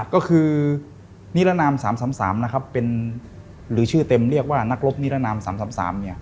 ก็คือนิรนาม๓๓นะครับเป็นหรือชื่อเต็มเรียกว่านักรบนิรนาม๓๓เนี่ย